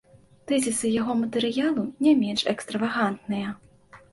Тэзісы яго матэрыялу не менш экстравагантныя.